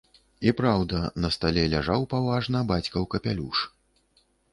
І праўда, на стале ляжаў паважна бацькаў капялюш.